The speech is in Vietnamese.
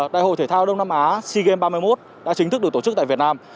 đại hội thể thao đông nam á sea games ba mươi một đã chính thức được tổ chức tại việt nam